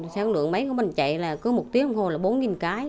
sáng lượng máy của mình chạy là cứ một tiếng hôm hồi là bốn cái